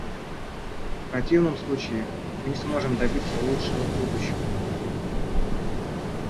В противном случае, мы не сможем добиться лучшего будущего.